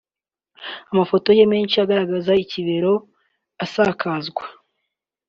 Amafoto ye menshi agaragaza ikimero asakazwa